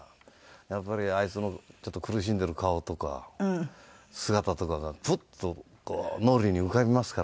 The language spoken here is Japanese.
やっぱりあいつの苦しんでる顔とか姿とかがふっと脳裏に浮かびますから。